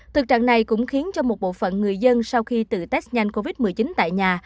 thực trạng này cũng khiến cho một bộ phận người dân sau khi tự test nhanh covid một mươi chín tại nhà